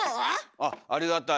あっありがたい。